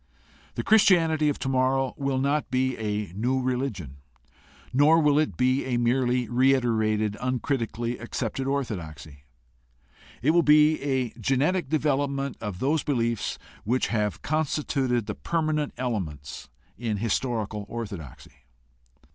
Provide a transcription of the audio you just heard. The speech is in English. The Christianity of tomorrow will not be a new religion, nor will it be a merely reiterated, un critically accepted orthodoxy. It will be a genetic develop ment of those beliefs which have constituted the permanent elements in historical orthodoxy.